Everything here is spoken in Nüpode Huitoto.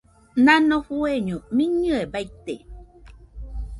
Nano fueño miñɨe baite.